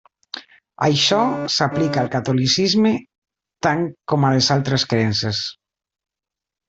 Això s'aplica al catolicisme tant com a les altres creences.